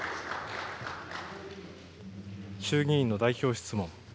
衆議院の代表質問。